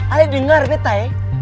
ale dengar betay